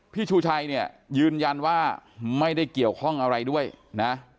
ชูชัยเนี่ยยืนยันว่าไม่ได้เกี่ยวข้องอะไรด้วยนะ